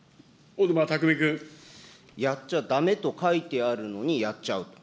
やっちゃだめと書いてあるにやっちゃう。